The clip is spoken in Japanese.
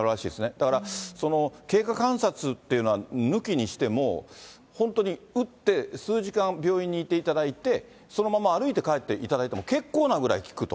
だから、経過観察っていうのを抜きにしても、本当に打って数時間、病院にいていただいて、そのまま歩いて帰っていただいても結構なぐらい効くと。